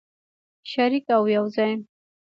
شریک او یوځای.